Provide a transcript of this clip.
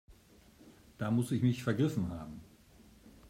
Da muss ich mich vergriffen haben.